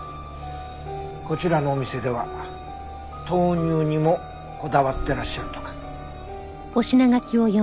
こちらのお店では豆乳にもこだわってらっしゃるとか。